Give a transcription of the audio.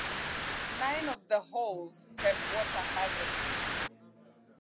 Nine of the holes have water hazards.